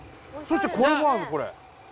そしてこれもあるこれ。